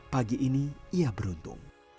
pagi ini ia beruntung